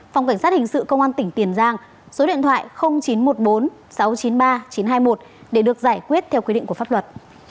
phòng cảnh sát hình sự công an tỉnh tiền giang số điện thoại chín trăm một mươi bốn sáu trăm chín mươi ba chín trăm hai mươi một để được giải quyết theo quy định của pháp luật